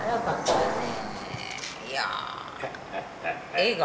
映画？